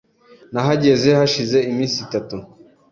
Nahageze hashize iminsi itatu.